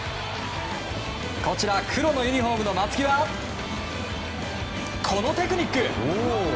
黒のユニホームの松木はこのテクニック！